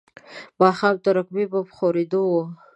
ماښام تروږمۍ په خورېدو وه.